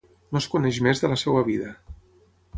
No es coneix més de la seva vida.